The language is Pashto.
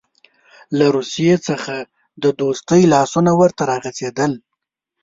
له روسیې څخه د دوستۍ لاسونه ورته راغځېدل.